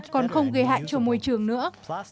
còn không gây hại cho môi trường nữa